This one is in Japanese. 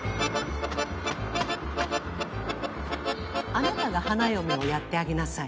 あなたが花嫁をやってあげなさい